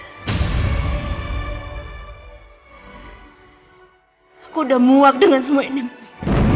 aku udah muak dengan semua ini